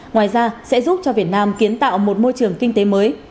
ngoài ra sẽ giúp cho việt nam kiến tạo một môi trường kinh tế mới